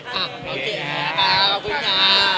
ขอบคุณค่ะ